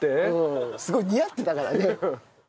すごい似合ってたからね。